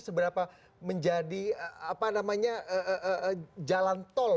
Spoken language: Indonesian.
seberapa menjadi jalan tol